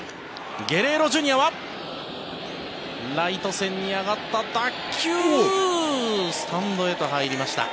ゲレーロＪｒ．はライト線に上がった打球スタンドへと入りました。